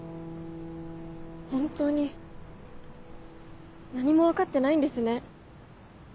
本当に何も分かってないんですね。